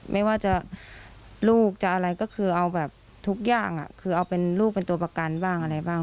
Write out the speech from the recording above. ไม่ว่าจะลูกจะอะไรก็คือเอาแบบทุกอย่างคือเอาเป็นลูกเป็นตัวประกันบ้างอะไรบ้าง